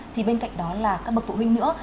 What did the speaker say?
thì bên cạnh đó là các bậc phụ huynh nữa